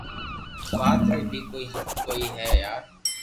وات ري بي ڪوئي ھد ھوئي ھي وار